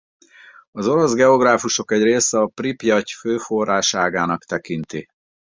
Az orosz geográfusok egy része a Pripjaty fő forráságának tekinti.